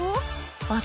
あれ？